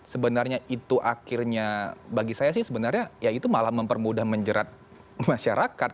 sebenarnya itu akhirnya bagi saya sih sebenarnya ya itu malah mempermudah menjerat masyarakat